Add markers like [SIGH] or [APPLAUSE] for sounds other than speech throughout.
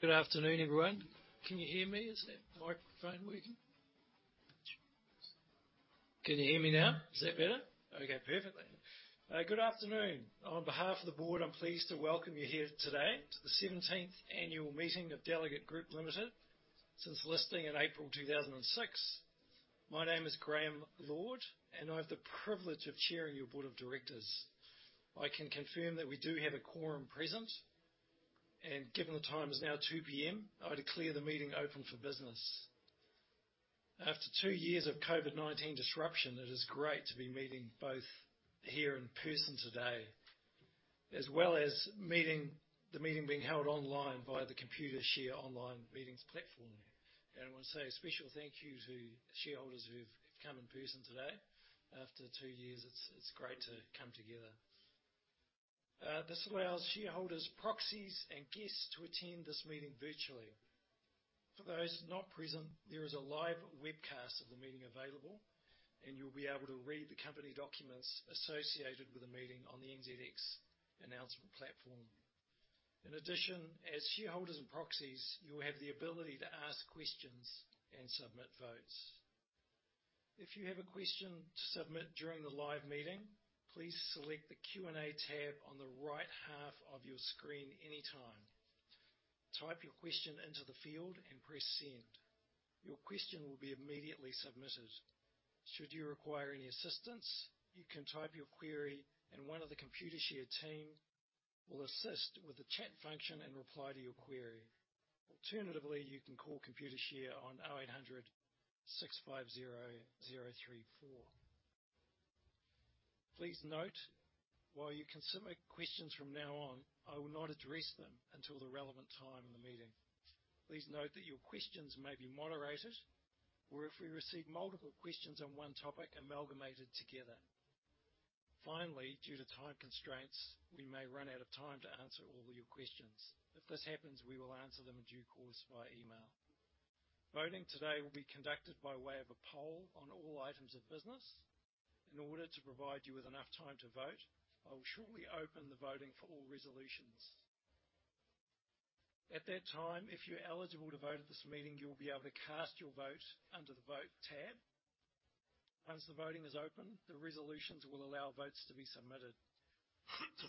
Good afternoon, everyone. Can you hear me? Is that microphone working? Can you hear me now? Is that better? Okay, perfectly. Good afternoon. On behalf of the board, I'm pleased to welcome you here today to the 17th annual meeting of Delegat Group Limited since listing in April 2006. My name is Graeme Lord, and I have the privilege of chairing your board of directors. I can confirm that we do have a quorum present. Given the time is now 2:00 P.M., I declare the meeting open for business. After two years of COVID-19 disruption, it is great to be meeting both here in person today, as well as the meeting being held online via the Computershare online meetings platform. I want to say a special thank you to shareholders who've come in person today. After two years, it's great to come together. This allows shareholders, proxies, and guests to attend this meeting virtually. For those not present, there is a live webcast of the meeting available, and you'll be able to read the company documents associated with the meeting on the NZX announcement platform. As shareholders and proxies, you will have the ability to ask questions and submit votes. If you have a question to submit during the live meeting, please select the Q&A tab on the right half of your screen anytime. Type your question into the field and press Send. Your question will be immediately submitted. Should you require any assistance, you can type your query and one of the Computershare team will assist with the chat function and reply to your query. Alternatively, you can call Computershare on 0800 650 034. Please note, while you can submit questions from now on, I will not address them until the relevant time in the meeting. Please note that your questions may be moderated, or if we receive multiple questions on one topic, amalgamated together. Due to time constraints, we may run out of time to answer all your questions. If this happens, we will answer them in due course via email. Voting today will be conducted by way of a poll on all items of business. In order to provide you with enough time to vote, I will shortly open the voting for all resolutions. At that time, if you're eligible to vote at this meeting, you will be able to cast your vote under the Vote tab. Once the voting is open, the resolutions will allow votes to be submitted.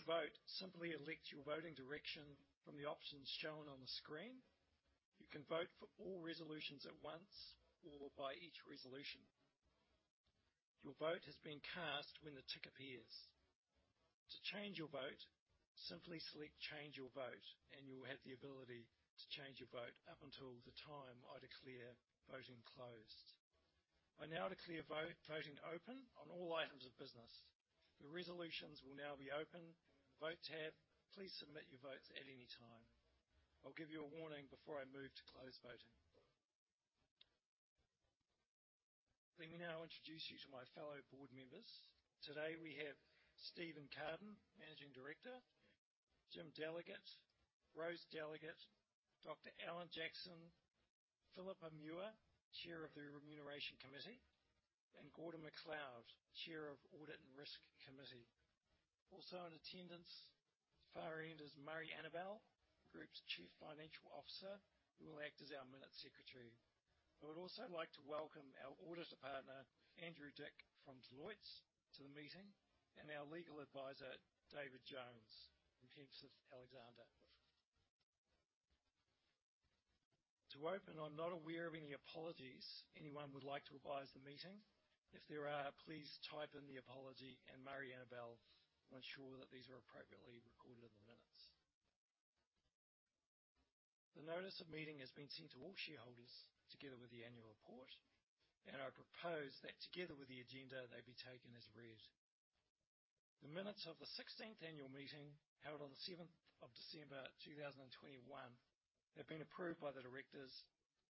To vote, simply elect your voting direction from the options shown on the screen. You can vote for all resolutions at once or by each resolution. Your vote has been cast when the tick appears. To change your vote, simply select Change Your Vote, and you will have the ability to change your vote up until the time I declare voting closed. I now declare voting open on all items of business. The resolutions will now be open. Vote tab, please submit your votes at any time. I'll give you a warning before I move to close voting. Let me now introduce you to my fellow board members. Today we have Steven Carden, Managing Director, Jim Delegat, Rose Delegat, Dr. Alan Jackson, Phillipa Muir, Chair of the Remuneration Committee, and Gordon MacLeod, Chair of Audit and Risk Committee. Also in attendance, far end, is Murray Annabell, Group's Chief Financial Officer, who will act as our minute secretary. I would also like to welcome our auditor Partner, Andrew Dick from Deloitte, to the meeting, and our Legal Advisor, David Jones. [AUDIO DISTORTION] To open, I'm not aware of any apologies anyone would like to advise the meeting. If there are, please type in the apology, and Murray Annabell will ensure that these are appropriately recorded in the minutes. The notice of meeting has been sent to all shareholders together with the annual report, and I propose that together with the agenda, they be taken as read. The minutes of the 16th annual meeting, held on December 7th, 2021, have been approved by the directors,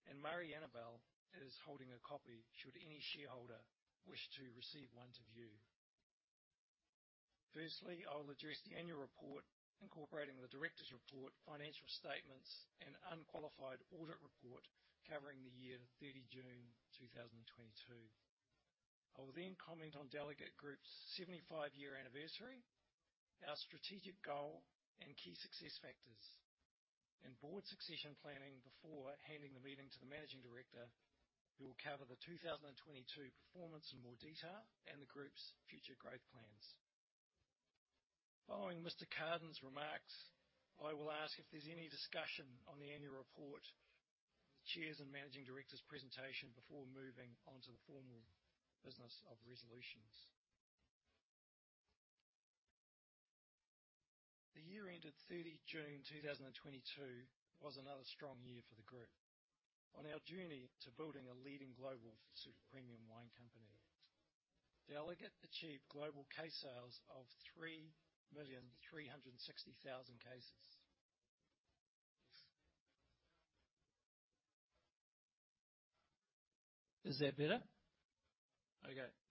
and Murray Annabell is holding a copy should any shareholder wish to receive one to view. Firstly, I will address the annual report incorporating the directors' report, financial statements, and unqualified audit report covering the year June 30th, 2022. I will then comment on Delegat Group's 75-year anniversary, our strategic goal and key success factors, and board succession planning before handing the meeting to the Managing Director who will cover the 2022 performance in more detail and the group's future growth plans. Following Mr. Carden's remarks, I will ask if there's any discussion on the annual report, the Chair's and Managing Director's presentation before moving on to the formal business of resolutions. The year ended June 30, 2022, was another strong year for the group. On our journey to building a leading global pursuit of premium wine company, Delegat achieved global case sales of 3,360,000 cases. Is that better? You have to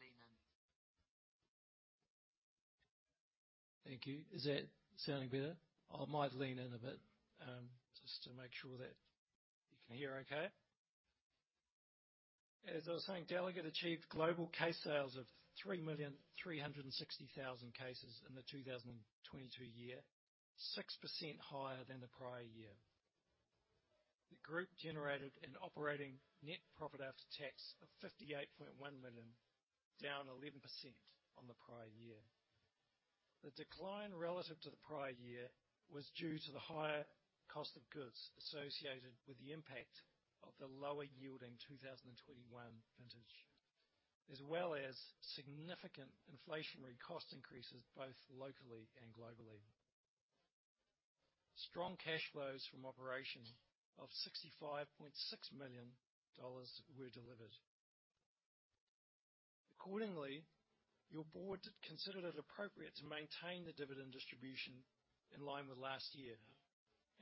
lean in. Thank you. Is that sounding better? I might lean in a bit, just to make sure that you can hear okay. As I was saying, Delegat achieved global case sales of 3,360,000 cases in the 2022 year, 6% higher than the prior year. The group generated an operating net profit after tax of 58.1 million, down 11% on the prior year. The decline relative to the prior year was due to the higher cost of goods associated with the impact of the lower yielding 2021 vintage, as well as significant inflationary cost increases both locally and globally. Strong cash flows from operation of 65.6 million dollars were delivered. Accordingly, your board considered it appropriate to maintain the dividend distribution in line with last year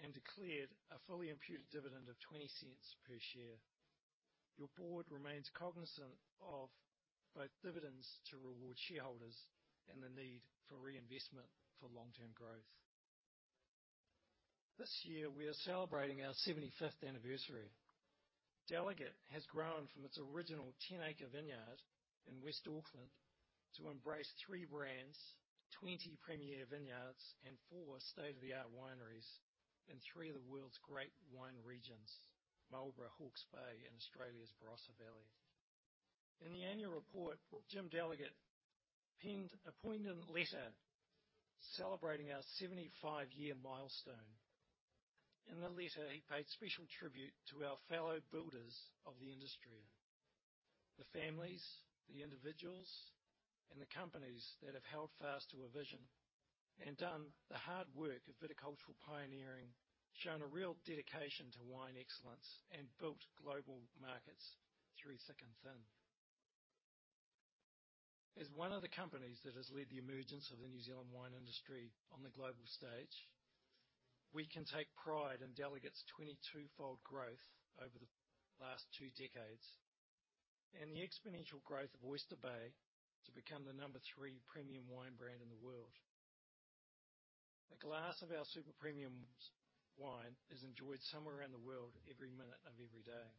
and declared a fully imputed dividend of 0.20 per share. Your board remains cognizant of both dividends to reward shareholders and the need for reinvestment for long-term growth. This year, we are celebrating our 75th anniversary. Delegat has grown from its original 10-acre vineyard in West Auckland to embrace three brands, 20 premier vineyards and four state-of-the-art wineries in three of the world's great wine regions, Marlborough, Hawke's Bay, and Australia's Barossa Valley. In the annual report, Jim Delegat penned a poignant letter celebrating our 75-year milestone. In the letter, he paid special tribute to our fellow builders of the industry, the families, the individuals, and the companies that have held fast to a vision and done the hard work of viticultural pioneering, shown a real dedication to wine excellence, and built global markets through thick and thin. As one of the companies that has led the emergence of the New Zealand wine industry on the global stage, we can take pride in Delegat's 22-fold growth over the last two decades, and the exponential growth of Oyster Bay to become the number three premium wine brand in the world. A glass of our super premium wine is enjoyed somewhere around the world every minute of every day.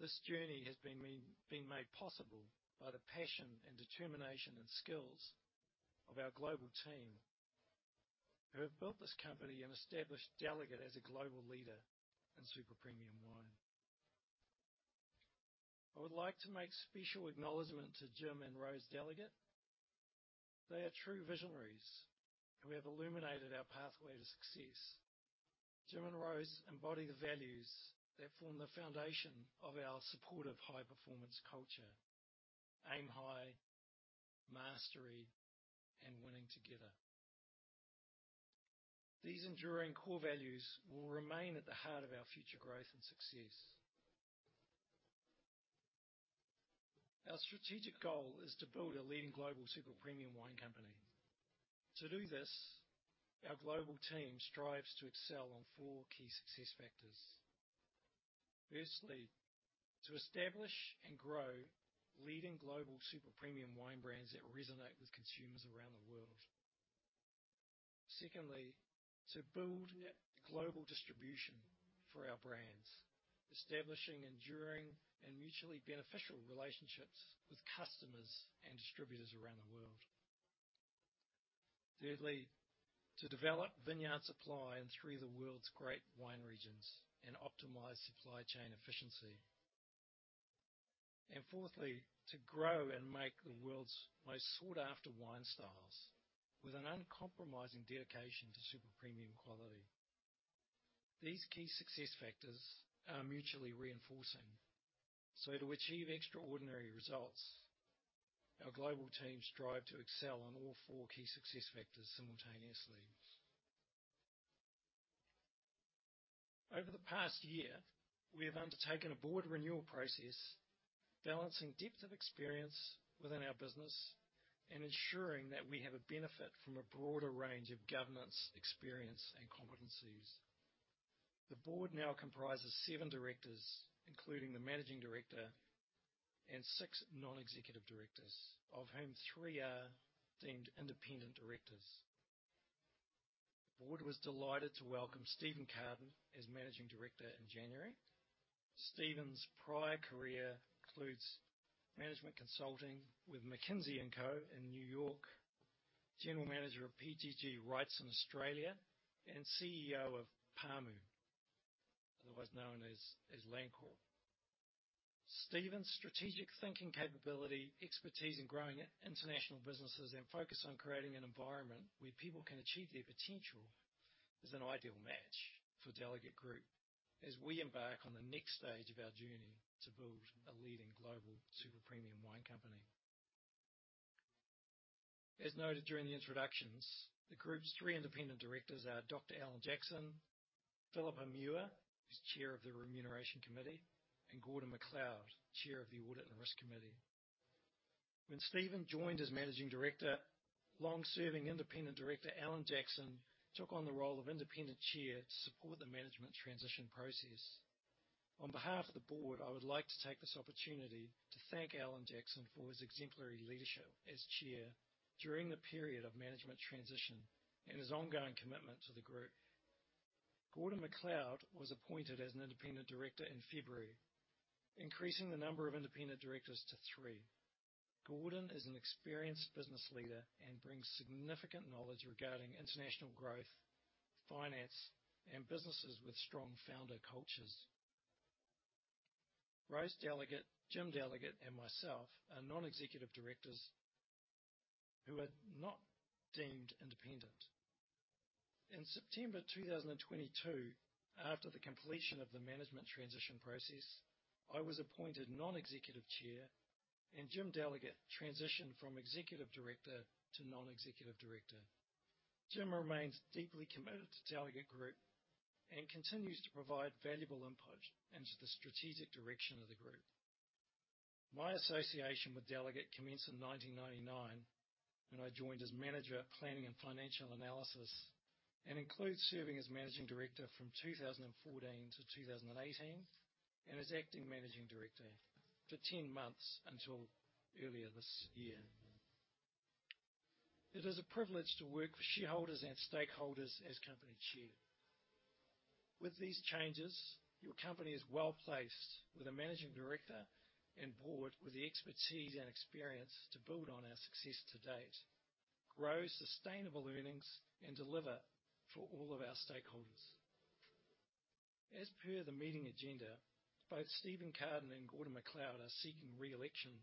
This journey has been being made possible by the passion and determination and skills of our global team who have built this company and established Delegat as a global leader in super premium wine. I would like to make special acknowledgement to Jim and Rose Delegat. They are true visionaries who have illuminated our pathway to success. Jim and Rose embody the values that form the foundation of our supportive, high-performance culture: aim high, mastery, and winning together. These enduring core values will remain at the heart of our future growth and success. Our strategic goal is to build a leading global super premium wine company. To do this, our global team strives to excel on four key success factors. Firstly, to establish and grow leading global super premium wine brands that resonate with consumers around the world. Secondly, to build global distribution for our brands, establishing enduring and mutually beneficial relationships with customers and distributors around the world. Thirdly, to develop vineyard supply in three of the world's great wine regions and optimize supply chain efficiency. Fourthly, to grow and make the world's most sought-after wine styles with an uncompromising dedication to Super Premium quality. These key success factors are mutually reinforcing, so to achieve extraordinary results, our global teams strive to excel on all four key success factors simultaneously. Over the past year, we have undertaken a board renewal process, balancing depth of experience within our business and ensuring that we have a benefit from a broader range of governance, experience, and competencies. The board now comprises seven directors, including the Managing Director and six non-executive directors, of whom three are deemed independent directors. The board was delighted to welcome Steven Carden as managing director in January. Steven's prior career includes management consulting with McKinsey & Company in New York, general manager of PGG Wrightson Australia, and CEO of Pāmu, otherwise known as Landcorp. Steven's strategic thinking capability, expertise in growing international businesses, and focus on creating an environment where people can achieve their potential is an ideal match for Delegat Group as we embark on the next stage of our journey to build a leading global super premium wine company. As noted during the introductions, the group's three independent directors are Dr. Alan Jackson, Phillipa Muir, who's Chair of the Remuneration Committee, and Gordon MacLeod, Chair of the Audit and Risk Committee. When Steven joined as managing director, long-serving independent director, Alan Jackson, took on the role of independent Chair to support the management transition process. On behalf of the board, I would like to take this opportunity to thank Alan Jackson for his exemplary leadership as chair during the period of management transition and his ongoing commitment to the group. Gordon MacLeod was appointed as an independent director in February, increasing the number of independent directors to three. Gordon is an experienced business leader and brings significant knowledge regarding international growth, finance, and businesses with strong founder cultures. Rose Delegat, Jim Delegat, and myself are non-executive directors who are not deemed independent. In September 2022, after the completion of the management transition process, I was appointed non-executive chair and Jim Delegat transitioned from executive director to non-executive director. Jim remains deeply committed to Delegat Group and continues to provide valuable input into the strategic direction of the group. My association with Delegat commenced in 1999 when I joined as Manager of Planning and Financial Analysis, and includes serving as Managing Director from 2014 to 2018, and as Acting Managing Director for 10 months until earlier this year. It is a privilege to work for shareholders and stakeholders as company chair. With these changes, your company is well-placed with a managing director and board with the expertise and experience to build on our success to date, grow sustainable earnings, and deliver for all of our stakeholders. As per the meeting agenda, both Steven Carden and Gordon MacLeod are seeking re-election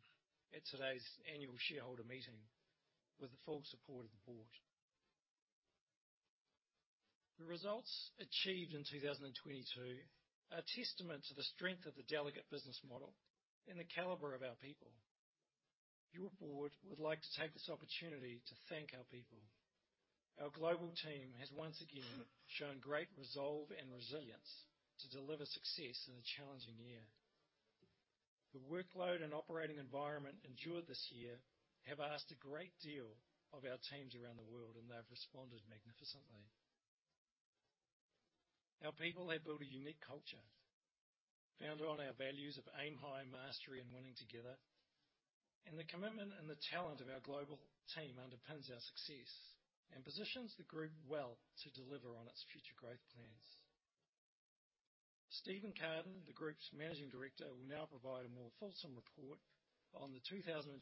at today's annual shareholder meeting with the full support of the board. The results achieved in 2022 are a testament to the strength of the Delegat business model and the caliber of our people. Your board would like to take this opportunity to thank our people. Our global team has once again shown great resolve and resilience to deliver success in a challenging year. The workload and operating environment endured this year have asked a great deal of our teams around the world, and they have responded magnificently. Our people have built a unique culture founded on our values of aim high, mastery, and winning together. The commitment and the talent of our global team underpins our success and positions the group well to deliver on its future growth plans. Steven Carden, the group's managing director, will now provide a more fulsome report on the 2022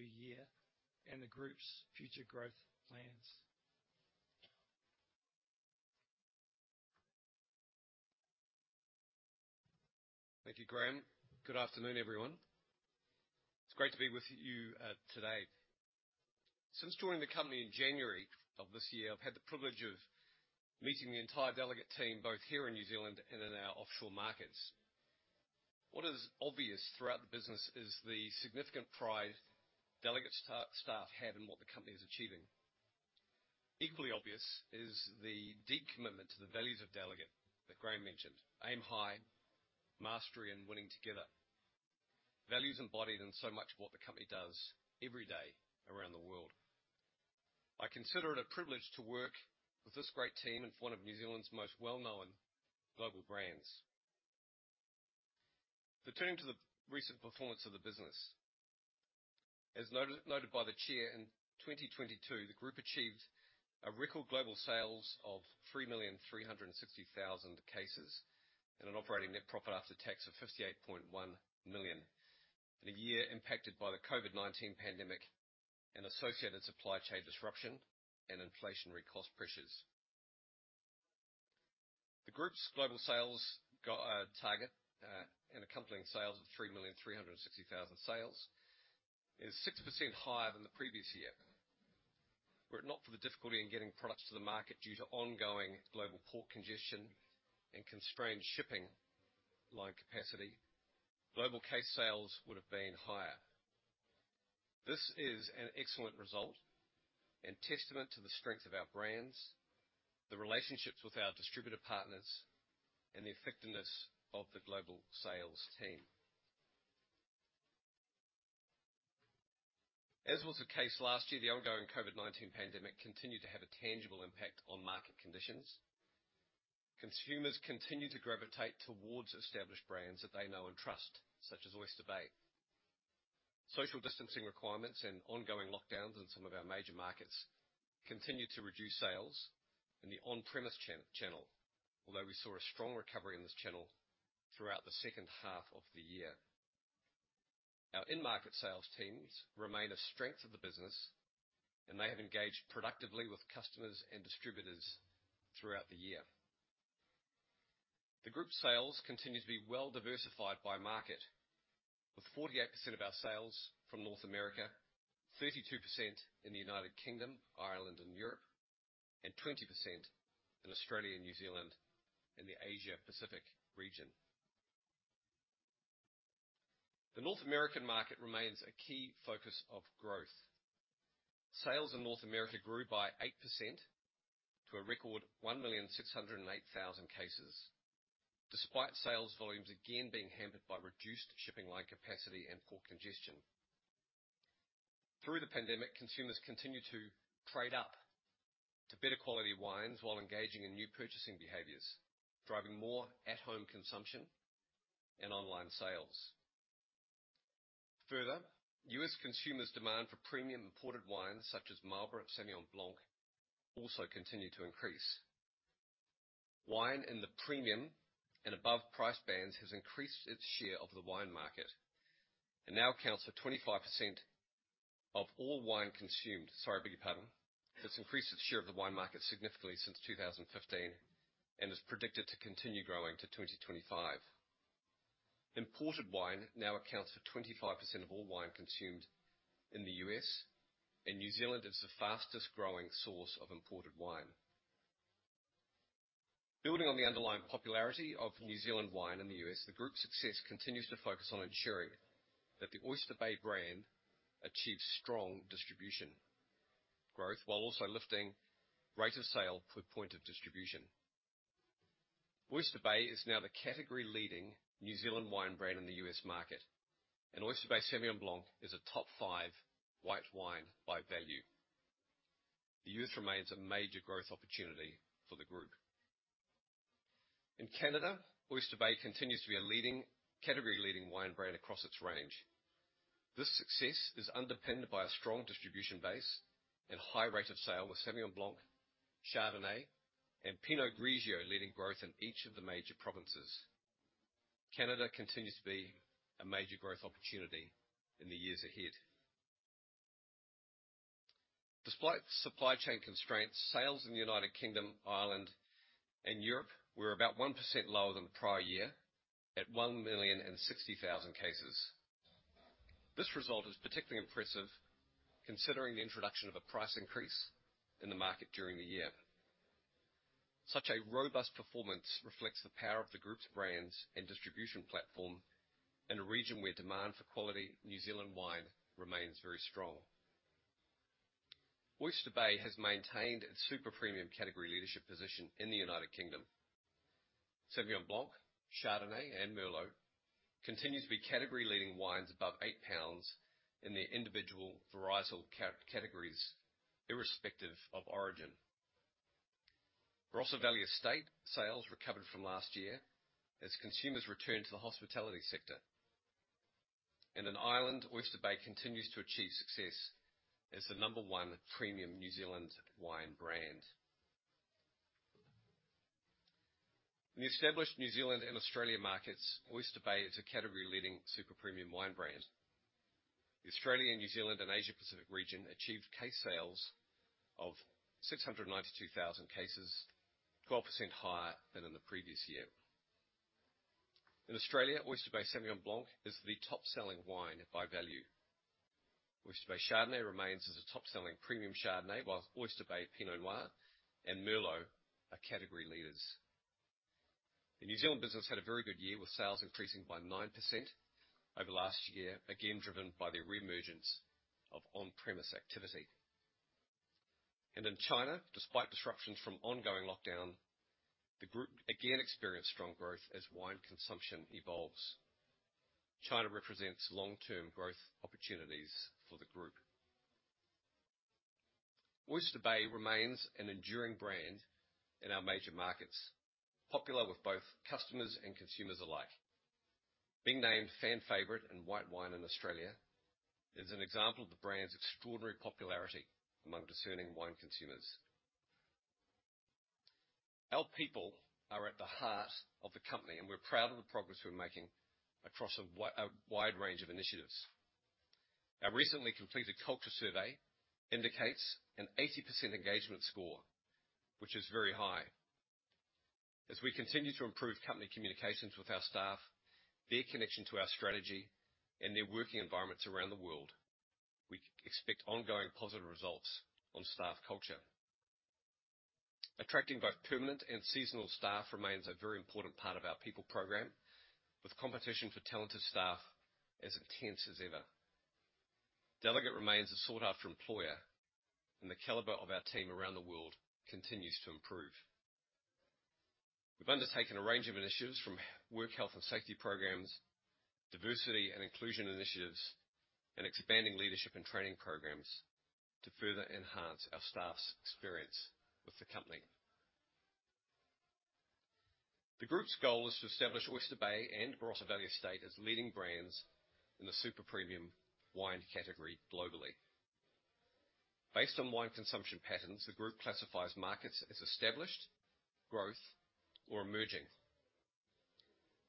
year and the group's future growth plans. Thank you, Graeme. Good afternoon, everyone. It's great to be with you today. Since joining the company in January of this year, I've had the privilege of meeting the entire Delegat team, both here in New Zealand and in our offshore markets. What is obvious throughout the business is the significant pride Delegat staff have in what the company is achieving. Equally obvious is the deep commitment to the values of Delegat that Graeme mentioned: aim high, mastery, and winning together. Values embodied in so much of what the company does every day around the world. I consider it a privilege to work with this great team in one of New Zealand's most well-known global brands. Turning to the recent performance of the business. As noted by the chair, in 2022, the group achieved a record global sales of 3,360,000 cases and an operating net profit after tax of 58.1 million in a year impacted by the COVID-19 pandemic and associated supply chain disruption and inflationary cost pressures. The group's global sales target, and accompanying sales of 3,360,000 sales is 6% higher than the previous year. Were it not for the difficulty in getting products to the market due to ongoing global port congestion and constrained shipping line capacity, global case sales would have been higher. This is an excellent result and testament to the strength of our brands, the relationships with our distributor partners, and the effectiveness of the global sales team. As was the case last year, the ongoing COVID-19 pandemic continued to have a tangible impact on market conditions. Consumers continue to gravitate towards established brands that they know and trust, such as Oyster Bay. Social distancing requirements and ongoing lockdowns in some of our major markets continued to reduce sales in the on-premise channel, although we saw a strong recovery in this channel throughout the second half of the year. Our in-market sales teams remain a strength of the business, and they have engaged productively with customers and distributors throughout the year. The group's sales continue to be well diversified by market, with 48% of our sales from North America, 32% in the United Kingdom, Ireland, and Europe, and 20% in Australia and New Zealand and the Asia Pacific region. The North American market remains a key focus of growth. Sales in North America grew by 8% to a record 1,608,000 cases, despite sales volumes again being hampered by reduced shipping line capacity and port congestion. Through the pandemic, consumers continued to trade up to better quality wines while engaging in new purchasing behaviors, driving more at-home consumption and online sales. Further, U.S. consumers' demand for premium imported wine, such as Marlborough Sauvignon Blanc, also continue to increase. Wine in the premium and above price bands has increased its share of the wine market and now accounts for 25% of all wine consumed. Sorry, beg your pardon. It's increased its share of the wine market significantly since 2015 and is predicted to continue growing to 2025. Imported wine now accounts for 25% of all wine consumed in the U.S. New Zealand is the fastest-growing source of imported wine. Building on the underlying popularity of New Zealand wine in the U.S., the group's success continues to focus on ensuring that the Oyster Bay brand achieves strong distribution growth while also lifting rate of sale per point of distribution. Oyster Bay is now the category-leading New Zealand wine brand in the U.S. market. Oyster Bay Sauvignon Blanc is a top five white wine by value. The youth remains a major growth opportunity for the group. In Canada, Oyster Bay continues to be a category-leading wine brand across its range. This success is underpinned by a strong distribution base and high rate of sale, with Sauvignon Blanc, Chardonnay, and Pinot Grigio leading growth in each of the major provinces. Canada continues to be a major growth opportunity in the years ahead. Despite supply chain constraints, sales in the United Kingdom, Ireland, and Europe were about 1% lower than the prior year at 1,060,000 cases. This result is particularly impressive considering the introduction of a price increase in the market during the year. Such a robust performance reflects the power of the group's brands and distribution platform in a region where demand for quality New Zealand wine remains very strong. Oyster Bay has maintained its super premium category leadership position in the United Kingdom. Sauvignon Blanc, Chardonnay, and Merlot continue to be category-leading wines above 8 pounds in their individual varietal categories, irrespective of origin. Barossa Valley Estate sales recovered from last year as consumers return to the hospitality sector. In Ireland, Oyster Bay continues to achieve success as the number one premium New Zealand wine brand. In the established New Zealand and Australia markets, Oyster Bay is a category-leading super premium wine brand. The Australian, New Zealand, and Asia Pacific region achieved case sales of 692,000 cases, 12% higher than in the previous year. In Australia, Oyster Bay Sauvignon Blanc is the top-selling wine by value. Oyster Bay Chardonnay remains as a top-selling premium Chardonnay, whilst Oyster Bay Pinot Noir and Merlot are category leaders. The New Zealand business had a very good year, with sales increasing by 9% over last year, again driven by the reemergence of on-premise activity. In China, despite disruptions from ongoing lockdown, the group again experienced strong growth as wine consumption evolves. China represents long-term growth opportunities for the group. Oyster Bay remains an enduring brand in our major markets, popular with both customers and consumers alike. Being named fan favorite in white wine in Australia is an example of the brand's extraordinary popularity among discerning wine consumers. Our people are at the heart of the company, and we're proud of the progress we're making across a wide range of initiatives. Our recently completed culture survey indicates an 80% engagement score, which is very high. As we continue to improve company communications with our staff, their connection to our strategy, and their working environments around the world, we expect ongoing positive results on staff culture. Attracting both permanent and seasonal staff remains a very important part of our people program, with competition for talented staff as intense as ever. Delegat remains a sought-after employer, and the caliber of our team around the world continues to improve. We've undertaken a range of initiatives, from work health and safety programs, diversity and inclusion initiatives, and expanding leadership and training programs to further enhance our staff's experience with the company. The group's goal is to establish Oyster Bay and Barossa Valley Estate as leading brands in the super premium wine category globally. Based on wine consumption patterns, the group classifies markets as established, growth, or emerging.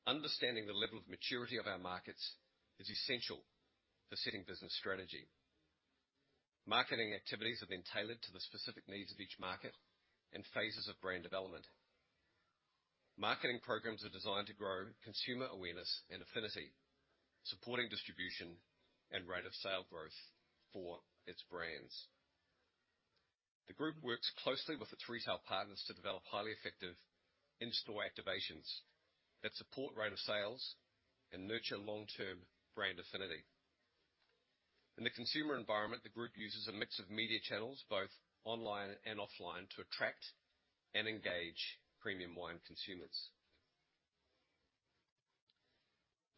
Understanding the level of maturity of our markets is essential for setting business strategy. Marketing activities have been tailored to the specific needs of each market and phases of brand development. Marketing programs are designed to grow consumer awareness and affinity, supporting distribution and rate of sale growth for its brands. The group works closely with its retail partners to develop highly effective in-store activations that support rate of sales and nurture long-term brand affinity. In the consumer environment, the group uses a mix of media channels, both online and offline, to attract and engage premium wine consumers.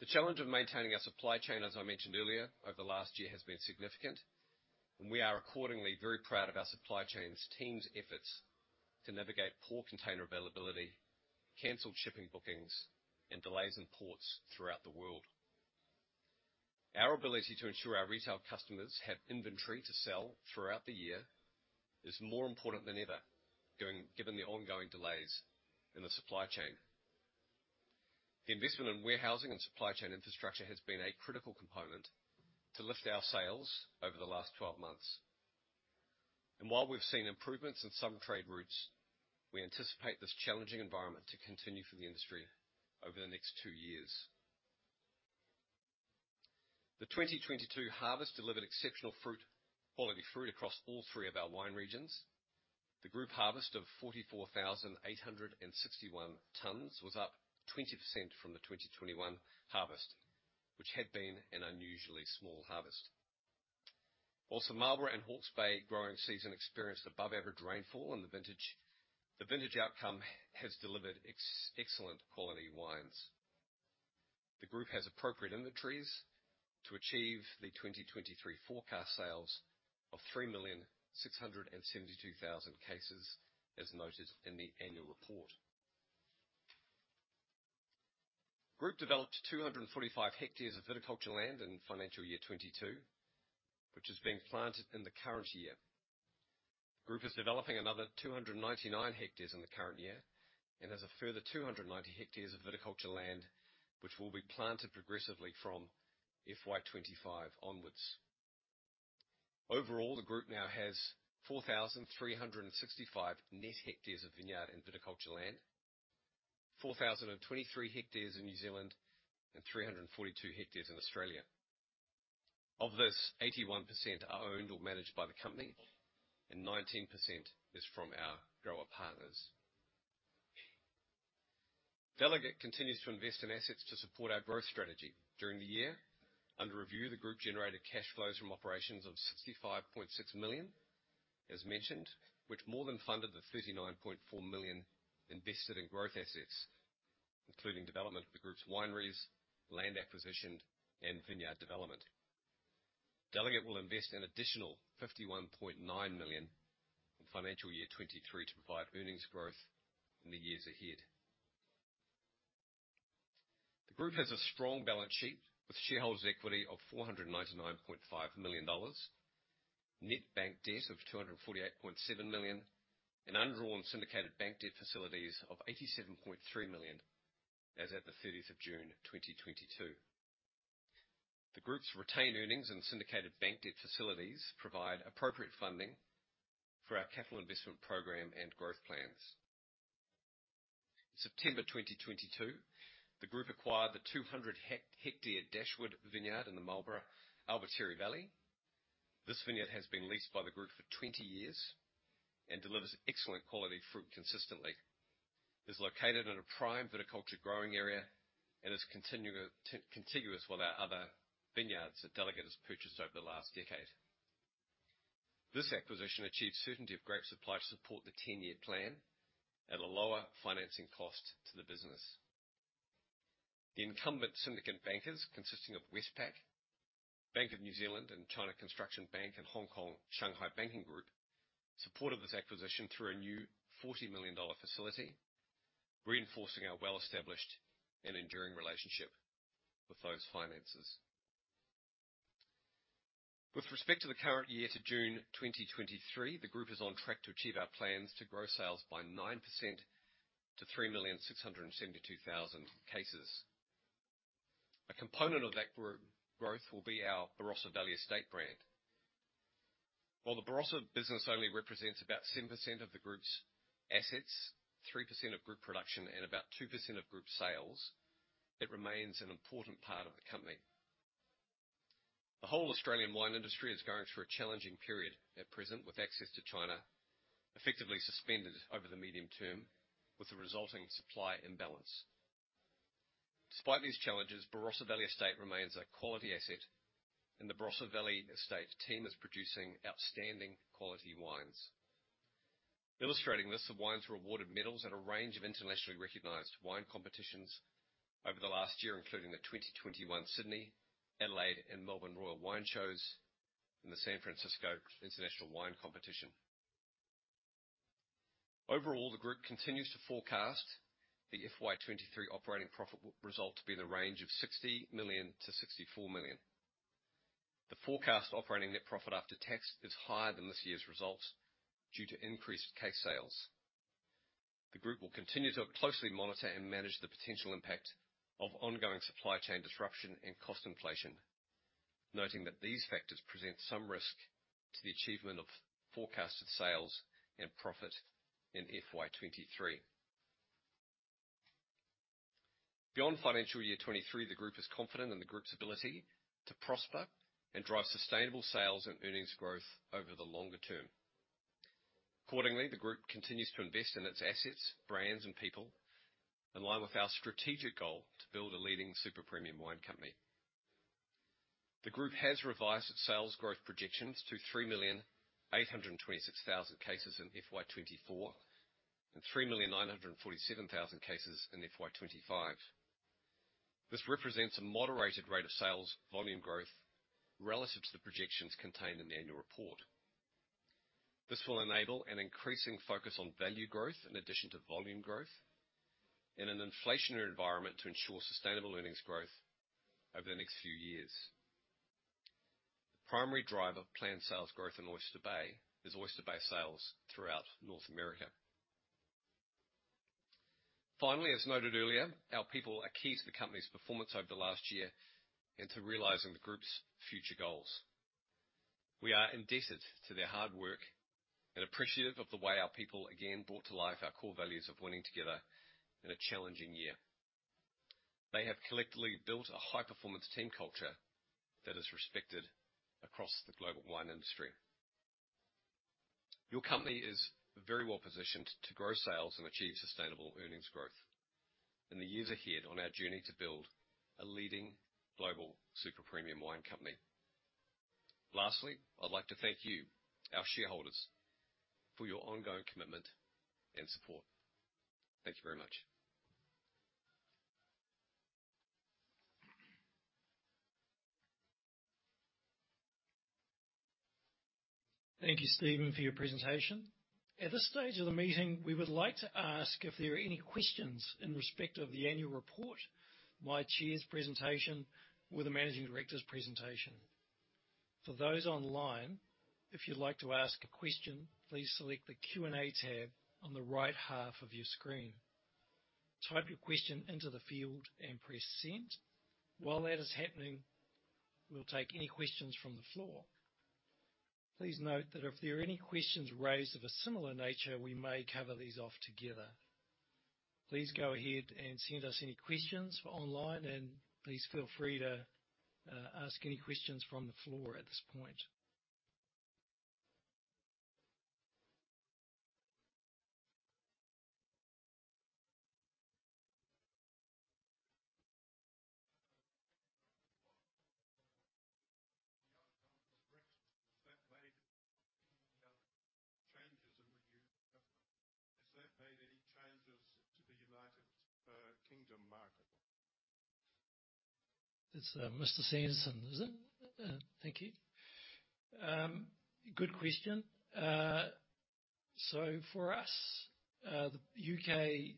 The challenge of maintaining our supply chain, as I mentioned earlier, over the last year, has been significant. We are accordingly very proud of our supply chains team's efforts to navigate poor container availability, canceled shipping bookings, and delays in ports throughout the world. Our ability to ensure our retail customers have inventory to sell throughout the year is more important than ever, given the ongoing delays in the supply chain. The investment in warehousing and supply chain infrastructure has been a critical component to lift our sales over the last 12 months. While we've seen improvements in some trade routes, we anticipate this challenging environment to continue for the industry over the next two years. The 2022 harvest delivered exceptional fruit, quality fruit across all three of our wine regions. The Group harvest of 44,861 tons was up 20% from the 2021 harvest, which had been an unusually small harvest. Marlborough and Hawke's Bay growing season experienced above average rainfall in the vintage. The vintage outcome has delivered excellent quality wines. The Group has appropriate inventories to achieve the 2023 forecast sales of 3,672,000 cases, as noted in the annual report. Group developed 245 hectares of viticulture land in financial year 2022, which is being planted in the current year. Group is developing another 299 hectares in the current year, and there's a further 290 hectares of viticulture land which will be planted progressively from FY 2025 onwards. Overall, the group now has 4,365 net hectares of vineyard and viticulture land, 4,023 hectares in New Zealand, and 342 hectares in Australia. Of this, 81% are owned or managed by the company, and 19% is from our grower partners. Delegat continues to invest in assets to support our growth strategy. During the year, under review, the group generated cash flows from operations of 65.6 million, as mentioned, which more than funded the 39.4 million invested in growth assets, including development of the group's wineries, land acquisition, and vineyard development. Delegat will invest an additional 51.9 million in financial year 2023 to provide earnings growth in the years ahead. The group has a strong balance sheet with shareholders' equity of $499.5 million, net bank debt of $248.7 million, and undrawn syndicated bank debt facilities of $87.3 million as at June 30th, 2022. The group's retained earnings and syndicated bank debt facilities provide appropriate funding for our capital investment program and growth plans. September 2022, the group acquired the 200 hectare Dashwood Vineyard in the Marlborough Awatere Valley. This vineyard has been leased by the group for 20 years and delivers excellent quality fruit consistently, is located in a prime viticulture growing area, and is contiguous with our other vineyards that Delegat has purchased over the last decade. This acquisition achieves certainty of grape supply to support the 10-year plan at a lower financing cost to the business. The incumbent syndicate bankers, consisting of Westpac, Bank of New Zealand and China Construction Bank and Hong Kong Shanghai Banking Group, supported this acquisition through a new 40 million dollar facility, reinforcing our well-established and enduring relationship with those financers. With respect to the current year to June 2023, the group is on track to achieve our plans to grow sales by 9% to 3,672,000 cases. A component of that growth will be our Barossa Valley Estate brand. While the Barossa business only represents about 10% of the group's assets, 3% of group production, and about 2% of group sales, it remains an important part of the company. The whole Australian wine industry is going through a challenging period at present, with access to China effectively suspended over the medium term with a resulting supply imbalance. Despite these challenges, Barossa Valley Estate remains a quality asset, and the Barossa Valley Estate team is producing outstanding quality wines. Illustrating this, the wines were awarded medals at a range of internationally recognized wine competitions over the last year, including the 2021 Sydney, Adelaide, and Melbourne Royal Wine Shows and the San Francisco International Wine Competition. Overall, the group continues to forecast the FY 2023 operating profit will result to be in the range of 60 million-64 million. The forecast operating net profit after tax is higher than this year's results due to increased case sales. The group will continue to closely monitor and manage the potential impact of ongoing supply chain disruption and cost inflation, noting that these factors present some risk to the achievement of forecasted sales and profit in FY 2023. Beyond financial year 2023, the group is confident in the group's ability to prosper and drive sustainable sales and earnings growth over the longer term. Accordingly, the group continues to invest in its assets, brands, and people in line with our strategic goal to build a leading super premium wine company. The group has revised its sales growth projections to 3,826,000 cases in FY 2024 and 3,947,000 cases in FY 2025. This represents a moderated rate of sales volume growth relative to the projections contained in the annual report. This will enable an increasing focus on value growth in addition to volume growth, in an inflationary environment to ensure sustainable earnings growth over the next few years. The primary driver of planned sales growth in Oyster Bay is Oyster Bay sales throughout North America. Finally, as noted earlier, our people are key to the company's performance over the last year and to realizing the group's future goals. We are indebted to their hard work and appreciative of the way our people, again, brought to life our core values of winning together in a challenging year. They have collectively built a high-performance team culture that is respected across the global wine industry. Your company is very well-positioned to grow sales and achieve sustainable earnings growth in the years ahead on our journey to build a leading global super premium wine company. Lastly, I'd like to thank you, our shareholders, for your ongoing commitment and support. Thank you very much. Thank you, Steven, for your presentation. At this stage of the meeting, we would like to ask if there are any questions in respect of the annual report, my chair's presentation or the managing director's presentation. For those online, if you'd like to ask a question, please select the Q&A tab on the right half of your screen. Type your question into the field and press Send. While that is happening, we'll take any questions from the floor. Please note that if there are any questions raised of a similar nature, we may cover these off together. Please go ahead and send us any questions for online, and please feel free to ask any questions from the floor at this point. The outcome of Brexit, has that made any other changes over you? Has that made any changes to the United Kingdom market? It's Mr. Sanderson, is it? Thank you. Good question. For us, the UK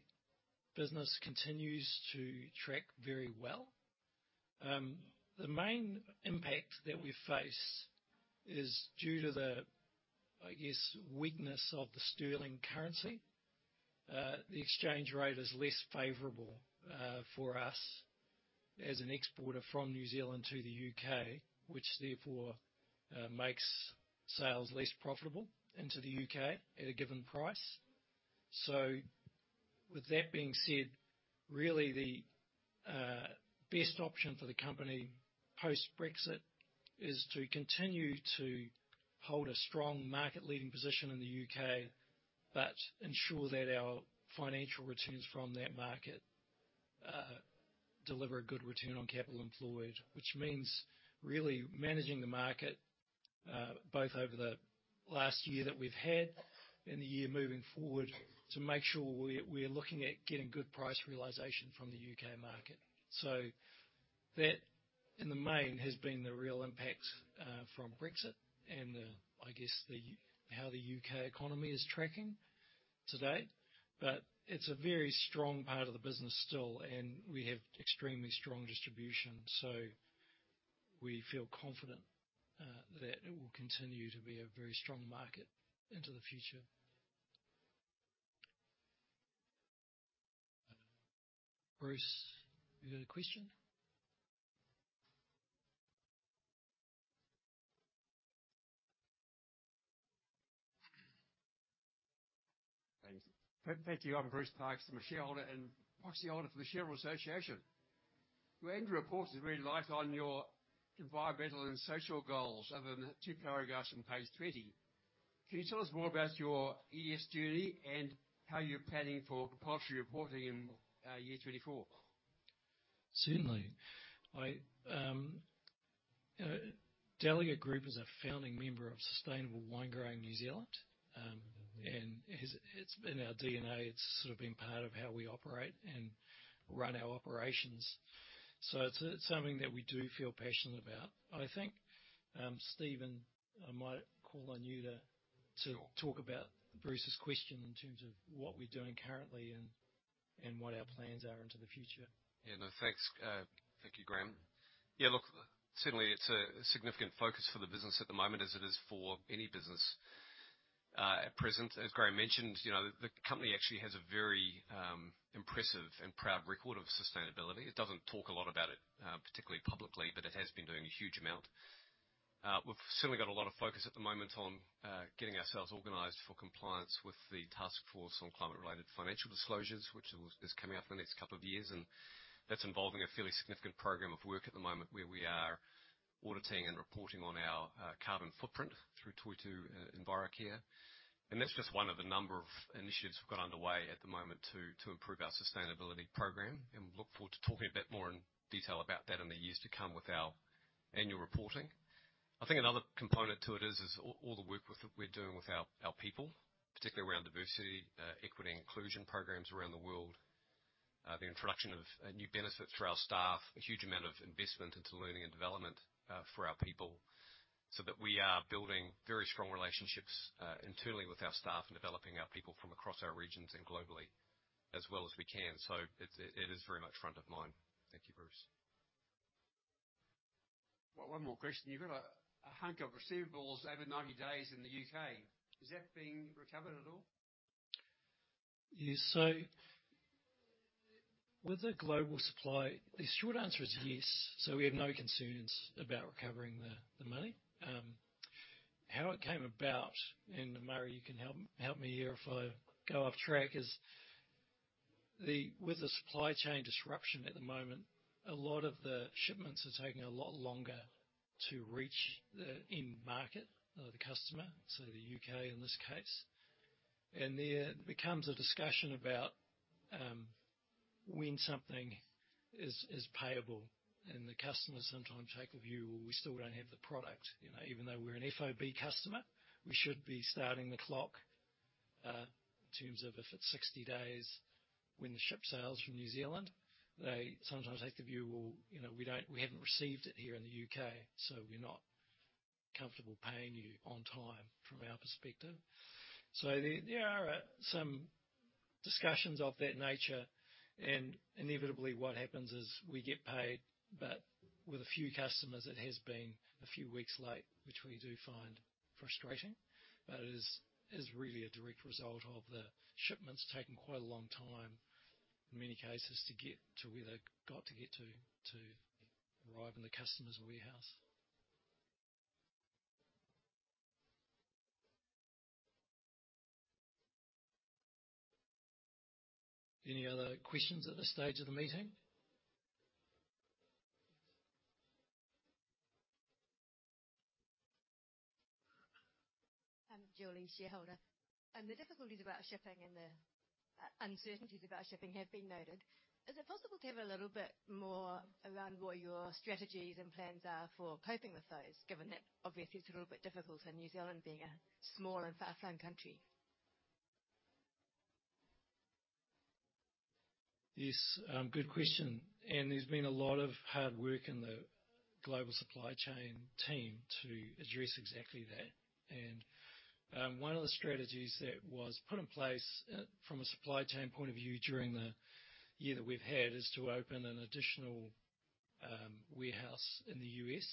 business continues to track very well. The main impact that we face is due to the, I guess, weakness of the sterling currency. The exchange rate is less favorable for us as an exporter from New Zealand to the UK, which therefore, makes sales less profitable into the UK at a given price. With that being said, really the best option for the company post-Brexit is to continue to hold a strong market-leading position in the UK, but ensure that our financial returns from that market deliver a good return on capital employed, which means really managing the market both over the last year that we've had and the year moving forward to make sure we're looking at getting good price realization from the UK market. That, in the main, has been the real impact from Brexit and I guess, how the UK economy is tracking to date. It's a very strong part of the business still, and we have extremely strong distribution, so we feel confident that it will continue to be a very strong market into the future. Bruce, you had a question? Thank you. I'm Bruce Parkes, the shareholder and proxy holder for the Shareholder Association. Your annual report is very light on your environmental and social goals other than the two paragraphs on page 20. Can you tell us more about your ESG and how you're planning for compulsory reporting in year 2024? Certainly. Delegat Group is a founding member of Sustainable Winegrowing New Zealand, and it's in our DNA. It's sort of been part of how we operate and run our operations. It's something that we do feel passionate about. I think, Steven, I might call on you to talk about Bruce's question in terms of what we're doing currently and what our plans are into the future. Thank you, Graeme. Look, certainly it's a significant focus for the business at the moment, as it is for any business at present. As Graeme mentioned, the company actually has a very impressive and proud record of sustainability. It doesn't talk a lot about it particularly publicly, but it has been doing a huge amount. We've certainly got a lot of focus at the moment on getting ourselves organized for compliance with the Task Force on Climate-related Financial Disclosures, which is coming up in the next couple of years. That's involving a fairly significant program of work at the moment where we are auditing and reporting on our carbon footprint through Toitū Envirocare. That's just one of a number of initiatives we've got underway at the moment to improve our sustainability program. We look forward to talking a bit more in detail about that in the years to come with our annual reporting. I think another component to it is all the work we're doing with our people, particularly around diversity, equity and inclusion programs around the world. The introduction of new benefits for our staff, a huge amount of investment into learning and development for our people, so that we are building very strong relationships internally with our staff and developing our people from across our regions and globally as well as we can. It is very much front of mind. Thank you, Bruce. One more question. You've got a hunk of receivables over 90 days in the UK. Is that being recovered at all? With the global supply, the short answer is yes. We have no concerns about recovering the money. How it came about, and Murray, you can help me here if I go off track, with the supply chain disruption at the moment, a lot of the shipments are taking a lot longer to reach the end market or the customer, so the UK in this case. There becomes a discussion about, when something is payable, and the customers sometimes take a view, we still don't have the product. Even though we're an FOB customer, we should be starting the clock in terms of if it's 60 days when the ship sails from New Zealand. They sometimes take the view, "We haven't received it here in the UK, so we're not comfortable paying you on time from our perspective." There are some discussions of that nature, and inevitably what happens is we get paid, but with a few customers it has been a few weeks late, which we do find frustrating. It is really a direct result of the shipments taking quite a long time in many cases to get to where they've got to get to arrive in the customer's warehouse. Any other questions at this stage of the meeting? I'm Julie, shareholder. The difficulties about shipping and the uncertainties about shipping have been noted. Is it possible to have a little bit more around what your strategies and plans are for coping with those, given that obviously it's a little bit difficult in New Zealand being a small and far flung country? Yes, good question. There's been a lot of hard work in the global supply chain team to address exactly that. One of the strategies that was put in place from a supply chain point of view during the year that we've had, is to open an additional warehouse in the U.S.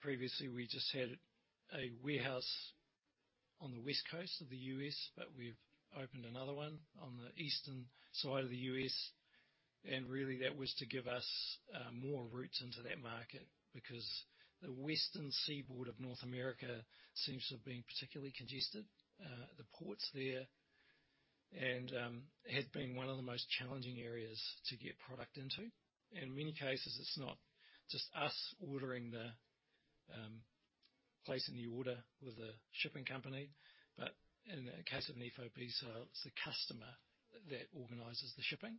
Previously, we just had a warehouse on the West Coast of the U.S., but we've opened another one on the eastern side of the U.S., and really that was to give us more routes into that market because the western seaboard of North America seems to have been particularly congested, the ports there and has been one of the most challenging areas to get product into. In many cases, it's not just us placing the order with a shipping company, but in the case of an FOB sale, it's the customer that organizes the shipping.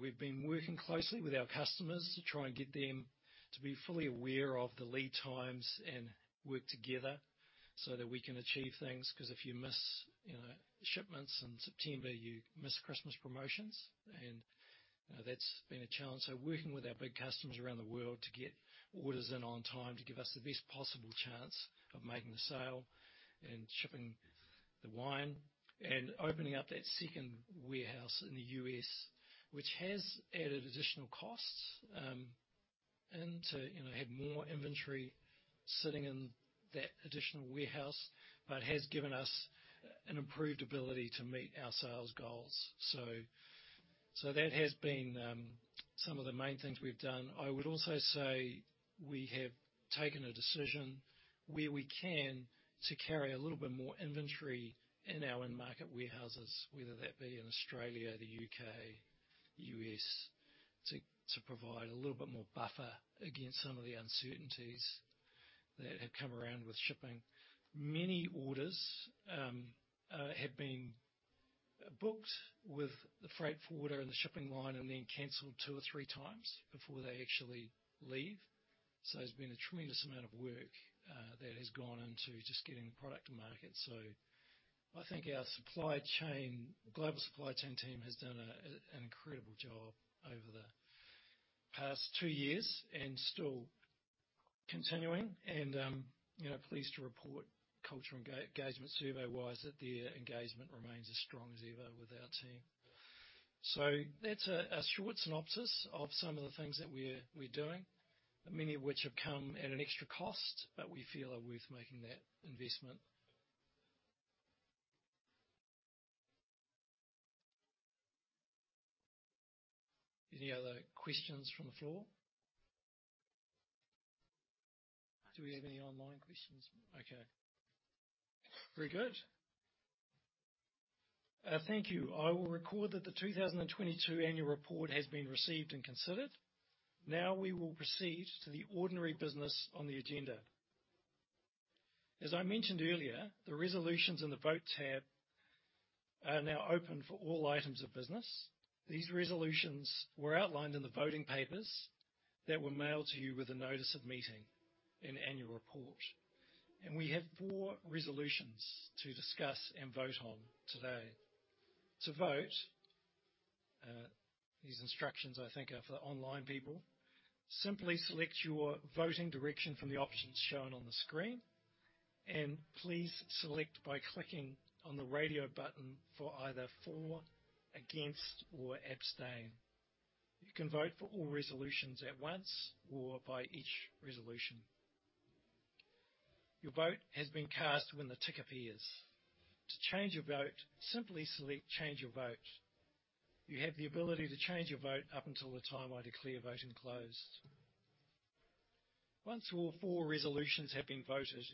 We've been working closely with our customers to try and get them to be fully aware of the lead times and work together so that we can achieve things because if you miss, shipments in September, you miss Christmas promotions, that's been a challenge. Working with our big customers around the world to get orders in on time to give us the best possible chance of making the sale and shipping the wine. Opening up that second warehouse in the US, which has added additional costs, and to have more inventory sitting in that additional warehouse, but has given us an improved ability to meet our sales goals. That has been some of the main things we've done. I would also say we have taken a decision where we can to carry a little bit more inventory in our end market warehouses, whether that be in Australia, the UK, the US, to provide a little bit more buffer against some of the uncertainties that have come around with shipping. Many orders have been booked with the freight forwarder and the shipping line and then canceled two or three times before they actually leave. There's been a tremendous amount of work that has gone into just getting the product to market. I think our global supply chain team has done an incredible job over the past two years and still continuing and pleased to report cultural engagement survey-wise, that their engagement remains as strong as ever with our team. That's a short synopsis of some of the things that we're doing, many of which have come at an extra cost, but we feel are worth making that investment. Any other questions from the floor? Do we have any online questions? Very good. Thank you. I will record that the 2022 annual report has been received and considered. Now, we will proceed to the ordinary business on the agenda. As I mentioned earlier, the resolutions in the Vote tab are now open for all items of business. These resolutions were outlined in the voting papers that were mailed to you with a notice of meeting and annual report. We have four resolutions to discuss and vote on today. To vote, these instructions, I think, are for the online people. Simply select your voting direction from the options shown on the screen, and please select by clicking on the radio button for either for, against, or abstain. You can vote for all resolutions at once or by each resolution. Your vote has been cast when the tick appears. To change your vote, simply select Change Your Vote. You have the ability to change your vote up until the time I declare voting closed. Once all four resolutions have been voted,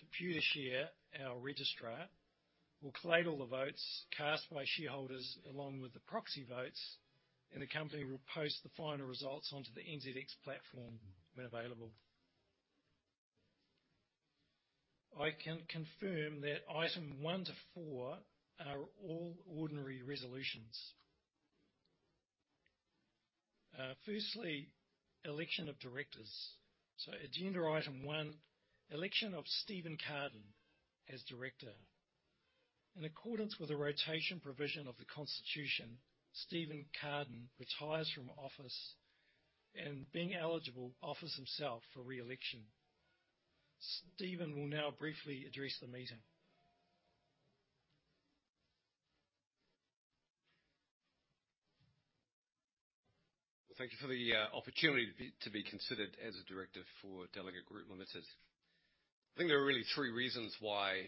Computershare, our registrar, will collate all the votes cast by shareholders along with the proxy votes, and the company will post the final results onto the NZX platform when available. I can confirm that item one to four are all ordinary resolutions. Firstly, election of directors. Agenda item one, election of Steven Carden as director. In accordance with the rotation provision of the Constitution, Steven Carden retires from office and being eligible, offers himself for re-election. Steven will now briefly address the meeting. Thank you for the opportunity to be considered as a director for Delegat Group Limited. I think there are really three reasons why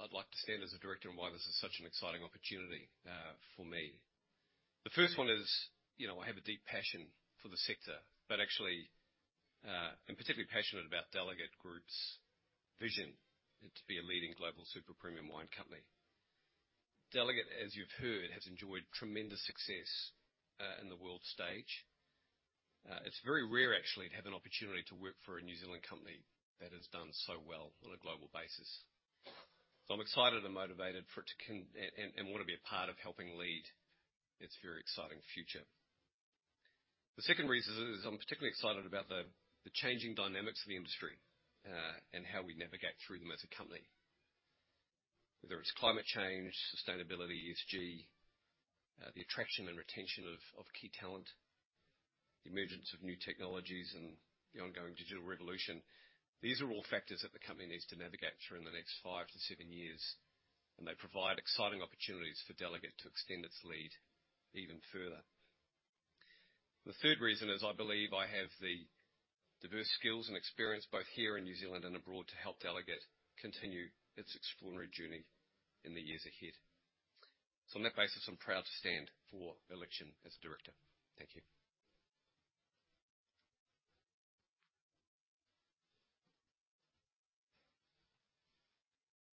I'd like to stand as a director and why this is such an exciting opportunity for me. The first one is, I have a deep passion for the sector, but actually, I'm particularly passionate about Delegat Group's vision to be a leading global super premium wine company. Delegat, as you've heard, has enjoyed tremendous success in the world stage. It's very rare actually, to have an opportunity to work for a New Zealand company that has done so well on a global basis. I'm excited and motivated for it to and want to be a part of helping lead its very exciting future. The second reason is I'm particularly excited about the changing dynamics of the industry and how we navigate through them as a company. Whether it's climate change, sustainability, ESG, the attraction and retention of key talent, the emergence of new technologies, and the ongoing digital revolution. These are all factors that the company needs to navigate through in the next five to seven years, and they provide exciting opportunities for Delegat to extend its lead even further. The third reason is I believe I have the diverse skills and experience, both here in New Zealand and abroad, to help Delegat continue its extraordinary journey in the years ahead. On that basis, I'm proud to stand for election as a director. Thank you.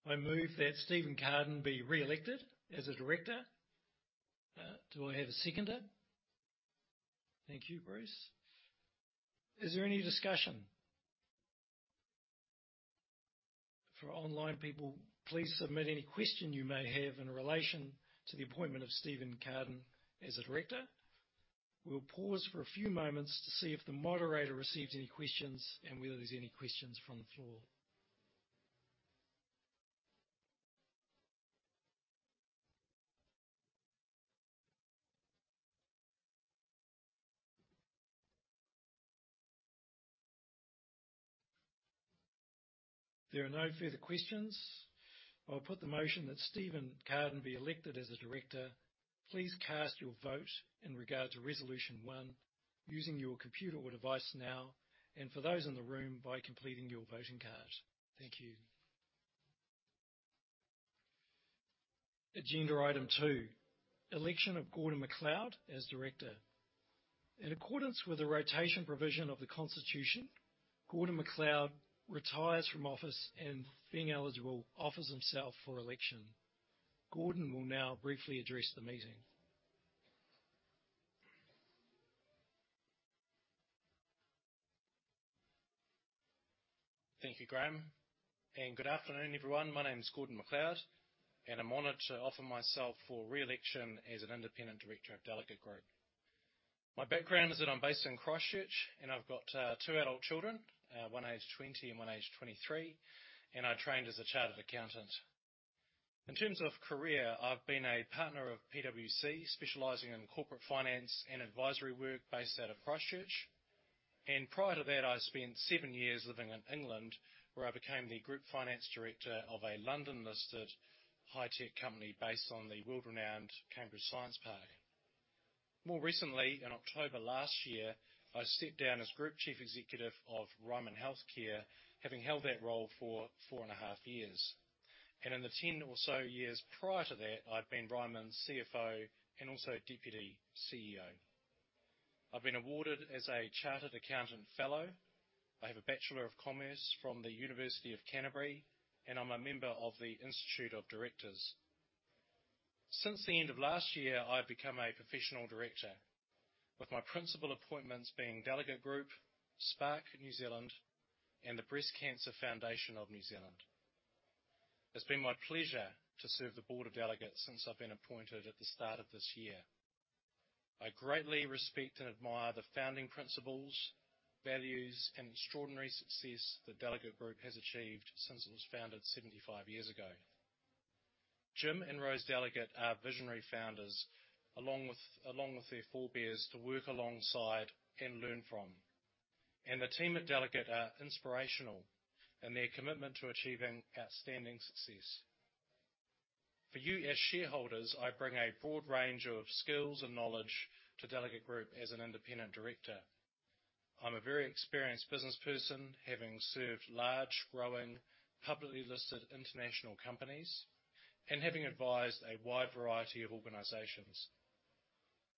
I move that Steven Carden be re-elected as a director. Do I have a seconder? Thank you, Bruce. Is there any discussion? For online people, please submit any question you may have in relation to the appointment of Steven Carden as a director. We'll pause for a few moments to see if the moderator receives any questions and whether there's any questions from the floor. If there are no further questions, I'll put the motion that Steven Carden be elected as a director. Please cast your vote in regard to resolution 1 using your computer or device now, and for those in the room by completing your voting card. Thank you. Agenda item two, election of Gordon MacLeod as director. In accordance with the rotation provision of the Constitution, Gordon MacLeod retires from office and being eligible, offers himself for election. Gordon will now briefly address the meeting. Thank you, Graeme. Good afternoon, everyone. My name is Gordon MacLeod. I'm honored to offer myself for re-election as an independent director of Delegat Group. My background is that I'm based in Christchurch. I've got two adult children, one aged 20 and one aged 23. I trained as a chartered accountant. In terms of career, I've been a partner of PwC, specializing in corporate finance and advisory work based out of Christchurch. Prior to that, I spent seven years living in England, where I became the group finance director of a London-listed high-tech company based on the world-renowned Cambridge Science Park. More recently, in October last year, I stepped down as group chief executive of Ryman Healthcare, having held that role for four and a half years. In the 10 or so years prior to that, I'd been Ryman's CFO and also Deputy CEO. I've been awarded as a chartered accountant fellow. I have a Bachelor of Commerce from the University of Canterbury, and I'm a member of the Institute of Directors. Since the end of last year, I've become a professional director, with my principal appointments being Delegat Group, Spark New Zealand, and the Breast Cancer Foundation of New Zealand. It's been my pleasure to serve the board of Delegat Group since I've been appointed at the start of this year. I greatly respect and admire the founding principles, values, and extraordinary success that Delegat Group has achieved since it was founded 75 years ago. Jim and Rose Delegat are visionary founders, along with their forebears, to work alongside and learn from. The team at Delegat are inspirational in their commitment to achieving outstanding success. For you as shareholders, I bring a broad range of skills and knowledge to Delegat Group as an independent director. I'm a very experienced business person, having served large, growing, publicly listed international companies and having advised a wide variety of organizations.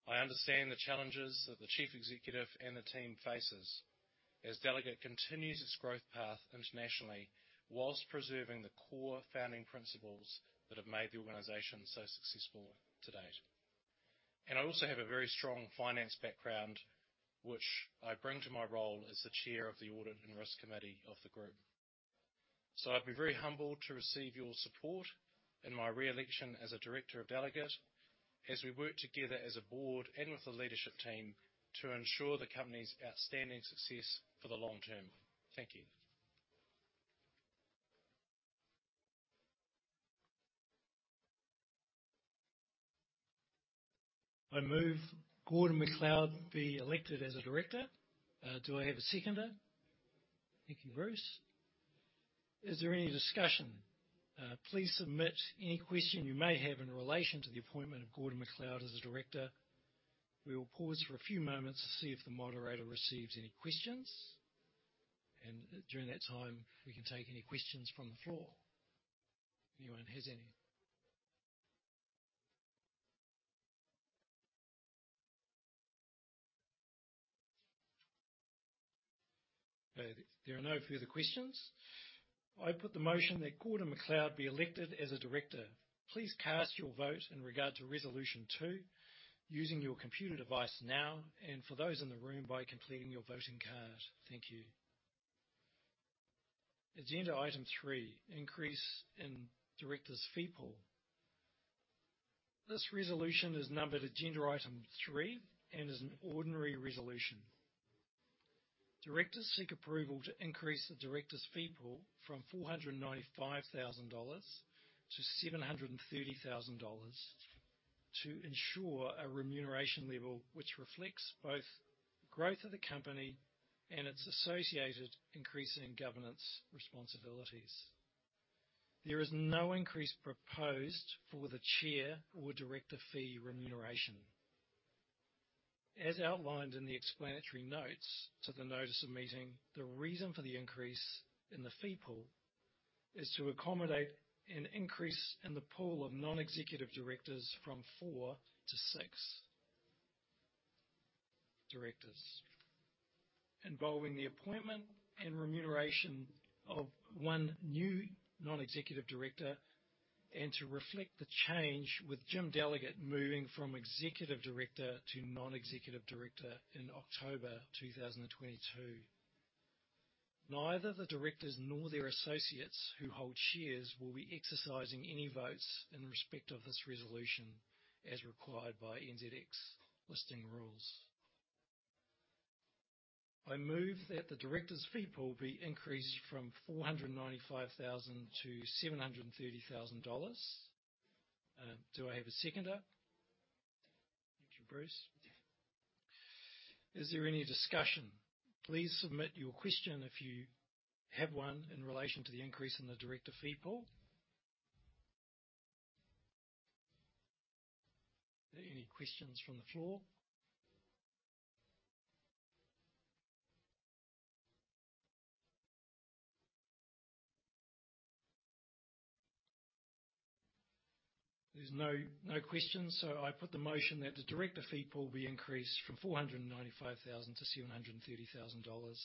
I understand the challenges that the chief executive and the team faces as Delegat Group continues its growth path internationally whilst preserving the core founding principles that have made the organization so successful to date. I also have a very strong finance background, which I bring to my role as the Chair of the Audit and Risk Committee of the group. I'd be very humbled to receive your support in my re-election as a director of Delegat Group as we work together as a board and with the leadership team to ensure the company's outstanding success for the long term. Thank you. I move Gordon MacLeod be elected as a director. Do I have a seconder? Thank you, Bruce. Is there any discussion? Please submit any question you may have in relation to the appointment of Gordon MacLeod as a director. We will pause for a few moments to see if the moderator receives any questions. During that time, we can take any questions from the floor. If anyone has any. There are no further questions. I put the motion that Gordon MacLeod be elected as a director. Please cast your vote in regard to resolution two using your computer device now, and for those in the room by completing your voting card. Thank you. Agenda item three: increase in directors' fee pool. This resolution is numbered agenda item three and is an ordinary resolution. Directors seek approval to increase the directors' fee pool from 495,000-730,000 dollars to ensure a remuneration level which reflects both growth of the company and its associated increase in governance responsibilities. There is no increase proposed for the chair or director fee remuneration. As outlined in the explanatory notes to the notice of meeting, the reason for the increase in the fee pool is to accommodate an increase in the pool of non-executive directors from four to six directors, involving the appointment and remuneration of one new non-executive director. To reflect the change with Jim Delegat moving from executive director to non-executive director in October 2022. Neither the directors nor their associates who hold shares will be exercising any votes in respect of this resolution, as required by NZX Listing Rules. I move that the directors' fee pool be increased from 495,000-730,000 dollars. Do I have a seconder? Thank you, Bruce. Is there any discussion? Please submit your question if you have one in relation to the increase in the director fee pool. Are there any questions from the floor? There's no questions. I put the motion that the director fee pool be increased from 495,000-730,000 dollars.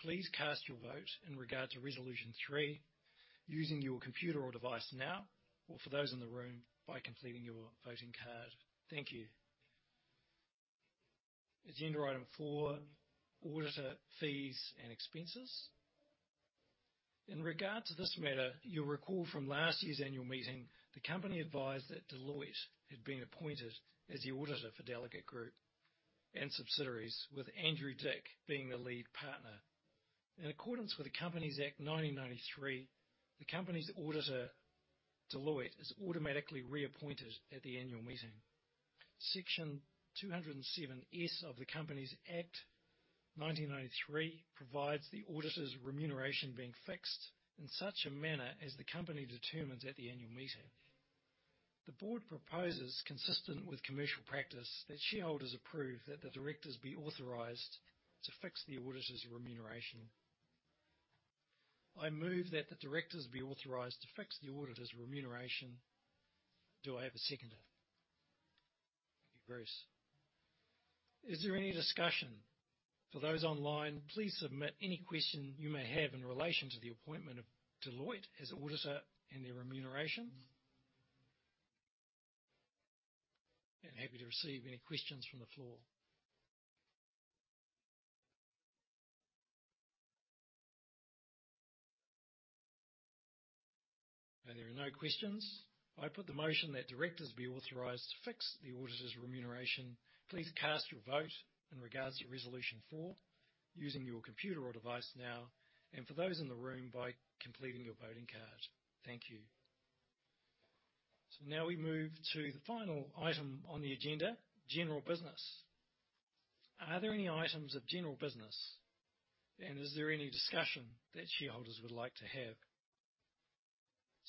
Please cast your vote in regard to resolution three using your computer or device now, or for those in the room by completing your voting card. Thank you. Agenda item four: auditor fees and expenses. In regard to this matter, you'll recall from last year's annual meeting, the company advised that Deloitte had been appointed as the auditor for Delegat Group and subsidiaries, with Andrew Dick being the lead partner. In accordance with the Companies Act 1993, the company's auditor, Deloitte, is automatically reappointed at the annual meeting. Section 207S of the Companies Act 1993 provides the auditor's remuneration being fixed in such a manner as the company determines at the annual meeting. The board proposes, consistent with commercial practice, that shareholders approve that the directors be authorized to fix the auditor's remuneration. I move that the directors be authorized to fix the auditor's remuneration. Do I have a seconder? Thank you, Bruce. Is there any discussion? For those online, please submit any question you may have in relation to the appointment of Deloitte as auditor and their remuneration. I'm happy to receive any questions from the floor. There are no questions. I put the motion that directors be authorized to fix the auditor's remuneration. Please cast your vote in regards to resolution four using your computer or device now, and for those in the room, by completing your voting card. Thank you. Now we move to the final item on the agenda, general business. Are there any items of general business, and is there any discussion that shareholders would like to have?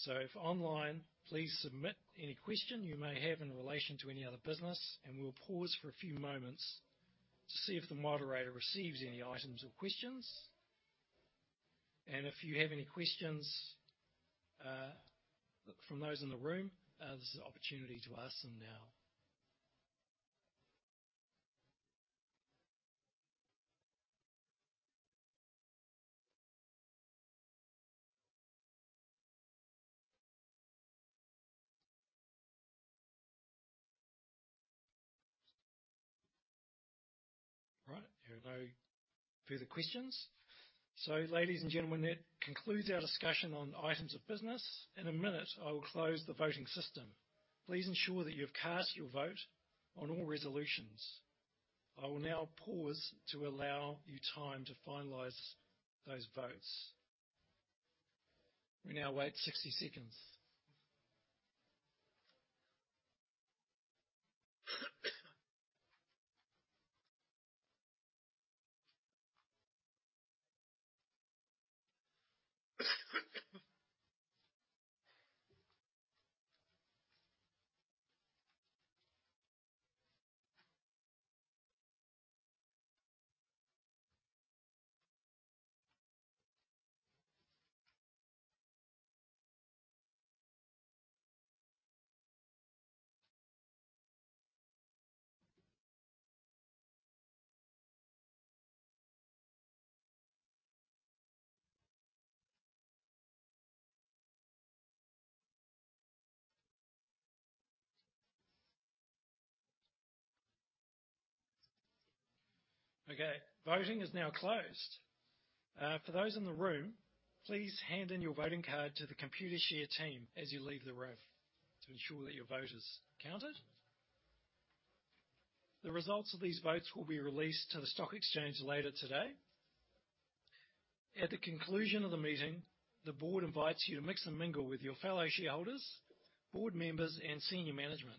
If online, please submit any question you may have in relation to any other business, and we'll pause for a few moments to see if the moderator receives any items or questions. If you have any questions from those in the room, this is an opportunity to ask them now. All right. There are no further questions. Ladies and gentlemen, that concludes our discussion on items of business. In a minute, I will close the voting system. Please ensure that you have cast your vote on all resolutions. I will now pause to allow you time to finalize those votes. We now wait 60 seconds. Okay. Voting is now closed. For those in the room, please hand in your voting card to the Computershare team as you leave the room to ensure that your vote is counted. The results of these votes will be released to the stock exchange later today. At the conclusion of the meeting, the board invites you to mix and mingle with your fellow shareholders, board members, and senior management,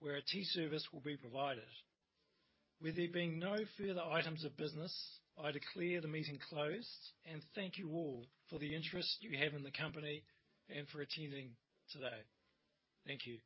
where a tea service will be provided. With there being no further items of business, I declare the meeting closed, and thank you all for the interest you have in the company and for attending today. Thank you.